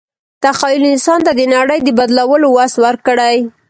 تخیل انسان ته د نړۍ د بدلولو وس ورکړی.